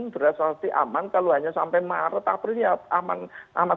berarti aman kalau hanya sampai maret april ya aman